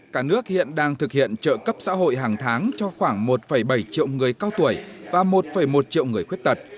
cả nước hiện đang thực hiện trợ cấp xã hội hàng tháng cho khoảng một bảy triệu người cao tuổi và một một triệu người khuyết tật